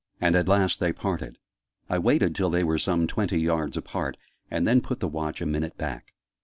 And at last they parted. I waited till they were some twenty yards apart, and then put the Watch a minute back.